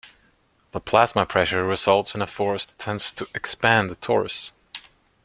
The plasma pressure results in a force that tends to expand the torus.